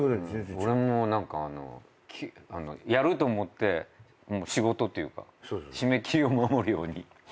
俺もやると思って仕事っていうか締め切りを守るように。